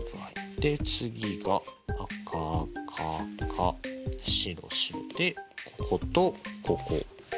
で次が赤赤赤白白でこことここ。